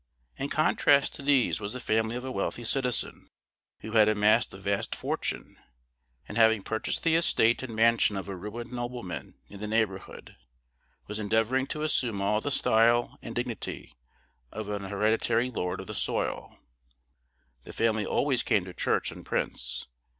In contrast to these was the family of a wealthy citizen, who had amassed a vast fortune, and, having purchased the estate and mansion of a ruined nobleman in the neighborhood, was endeavoring to assume all the style and dignity of an hereditary lord of the soil. The family always came to church en prince.